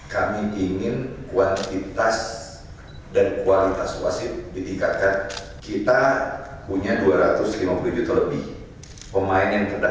kami ingin kuantitas dan kualitas wasit diingatkan